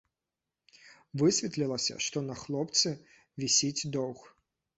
Высветлілася, што на хлопцы вісіць доўг.